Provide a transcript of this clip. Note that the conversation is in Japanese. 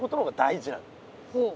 ほう。